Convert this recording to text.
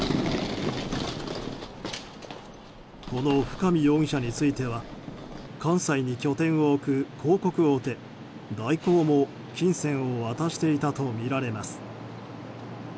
この深見容疑者については関西に拠点を置く広告大手、大広も金銭を渡していたとみられます。